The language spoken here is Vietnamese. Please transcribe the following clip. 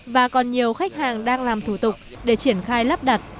và còn nhiều khách hàng đang làm thủ tục để triển khai lắp đặt